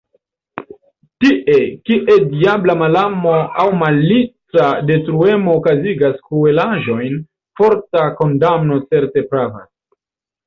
Tie, kie diabla malamo aŭ malica detruemo okazigas kruelaĵojn, forta kondamno certe pravas.